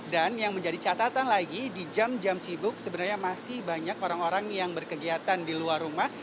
dan yang menjadi catatan lagi di jam jam sibuk sebenarnya masih banyak orang orang yang berkegiatan di luar rumah